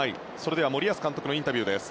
森保監督のインタビューです。